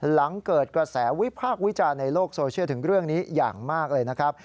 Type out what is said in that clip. หลังเกิดกระแสวิพากษ์วิจารณ์ในโลกโซเชียลถึงเรื่องนี้อย่างมากเลยนะครับ